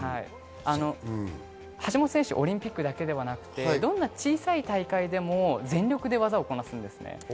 橋本選手、オリンピックだけではなくて、どんな小さい大会でも全力で技をこなすんですね。